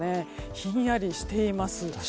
ひんやりしています。